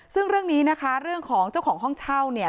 ซึ่งเรื่องนี้นะคะเรื่องของเจ้าของห้องเช่าเนี่ย